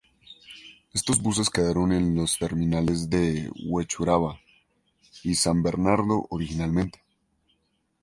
Estos buses quedaron en los terminales de Huechuraba y San Bernardo originalmente.